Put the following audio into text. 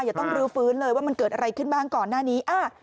อย่าต้องรื้อฟื้นเลยว่ามันเกิดอะไรขึ้นบ้างก่อนหน้านี้